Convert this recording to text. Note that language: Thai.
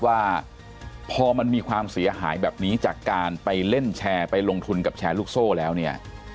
ว่าพอมันมีความเสียหายแบบนี้จากการไปเล่นแชร์ไปลงทุนกับแชร์ลูกโซ่แล้วเนี่ย